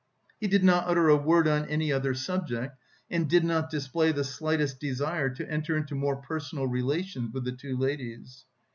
He did not utter a word on any other subject and did not display the slightest desire to enter into more personal relations with the two ladies.